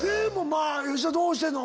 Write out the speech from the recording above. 吉田どうしてんの？